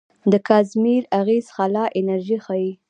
د کازیمیر اغېز خلا انرژي ښيي.